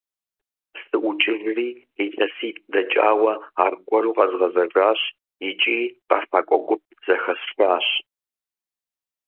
СыӀукӀыжри, илъэситӀ дэкӀауэ аргуэру къэзгъэзэжащ икӀи къэфакӀуэ гуп зэхэсшащ.